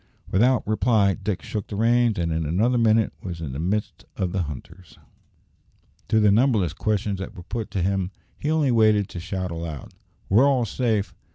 Without reply, Dick shook the reins, and in another minute was in the midst of the hunters. To the numberless questions that were put to him he only waited to shout aloud, "We're all safe!